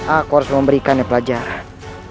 aku harus memberikannya pelajaran